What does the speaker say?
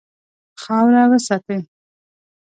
خاوره وساتئ.